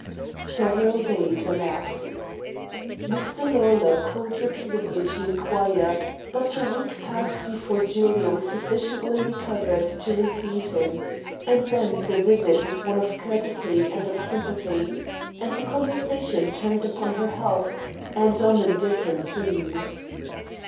Several days elapsed. Mr. Lawlor called repeatedly to inquire, but a week passed before Julia was sufficiently recovered to receive him, and then the visit was one of courtesy and of sympathy, and the conversation turned upon her health, and on indifferent themes.